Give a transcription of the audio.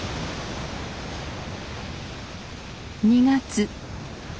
２月。